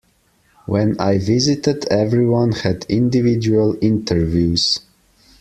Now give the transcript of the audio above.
When I visited everyone had individual interviews.